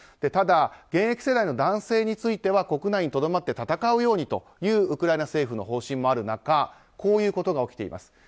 ただ、現役世代の男性については国内にとどまって戦うようにというウクライナ政府の方針があるようにこういうことが起きています。